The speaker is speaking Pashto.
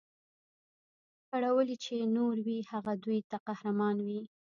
کړولي چي یې نور وي هغه دوی ته قهرمان وي